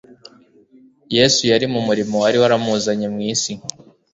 Yesu yari mu murimo wari waramuzanye mu isi